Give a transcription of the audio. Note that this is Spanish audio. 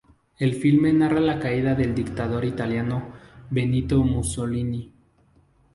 El filme narra la caída del dictador italiano Benito Mussolini.